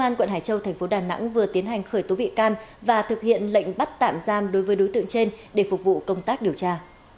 công an quận hải châu thành phố đà nẵng vừa tiến hành khởi tố bị can và thực hiện lệnh bắt tạm giam đối với đối tượng trên để phục vụ công tác điều tra